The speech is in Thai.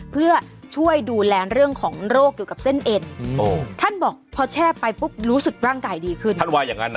เพื่อช่วยดูแลเรื่องของโรคเกี่ยวกับเส้นเอ็นท่านบอกพอแช่ไปปุ๊บรู้สึกร่างกายดีขึ้นท่านว่าอย่างนั้นนะ